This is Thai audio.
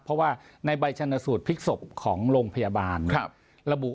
เพราะว่าในใบชนสูตรพลิกศพของโรงพยาบาลระบุ